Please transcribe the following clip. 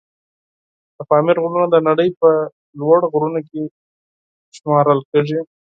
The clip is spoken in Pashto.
د پامیر غرونه د نړۍ په لوړ غرونو کې شمېرل کېږي.